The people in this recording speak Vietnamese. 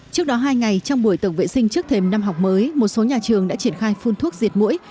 trước đó hai ngày trong buổi tổng vệ sinh trước thềm năm học mới một số nhà trường đã triển khai phun thuốc diệt mũi